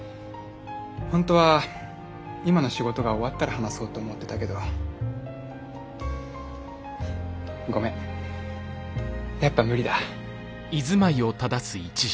本当は今の仕事が終わったら話そうと思ってたけどごめんやっぱ無理だ。